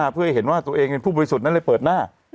เพื่อให้เห็นว่าตัวเองเป็นผู้บริสุทธิ์นั้นเลยเปิดหน้า